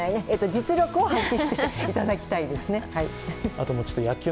実力を発揮していただきたいですね。